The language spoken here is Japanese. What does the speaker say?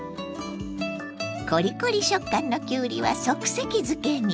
コリコリ食感のきゅうりは即席漬けに。